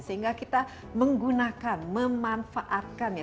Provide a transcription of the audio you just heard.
sehingga kita menggunakan memanfaatkan ya